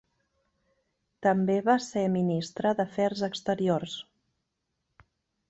També va ser ministre d'Afers Exteriors.